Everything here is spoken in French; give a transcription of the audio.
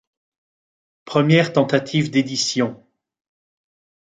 Première tentative d'édition.